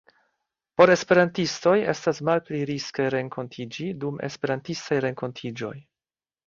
Por Esperantistoj, estas malpli riske renkontiĝi dum Esperantistaj renkontiĝoj.